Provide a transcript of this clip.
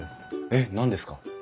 えっ何ですか？